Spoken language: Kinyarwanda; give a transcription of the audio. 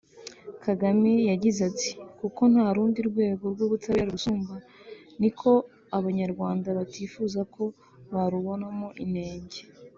Kagame yagize ati “ Kuko nta rundi rwego rw’ubutabera rurusumba niko Abanyarwanda batifuza ko barubonamo inenge